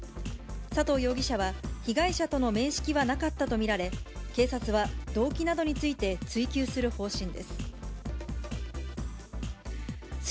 佐藤容疑者は、被害者との面識はなかったと見られ、警察は動機などについて追及する方針です。